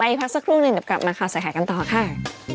อีกพักสักครู่หนึ่งเดี๋ยวกลับมาข่าวใส่ไข่กันต่อค่ะ